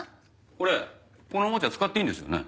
これこのおもちゃ使っていいんですよね？